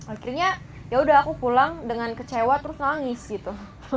akhirnya yaudah aku pulang dengan kecewa terus nangis gitu